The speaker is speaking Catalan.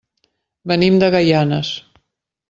Venim de Gaianes.